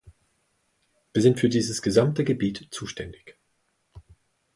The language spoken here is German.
Wir sind für dieses gesamte Gebiet zuständig.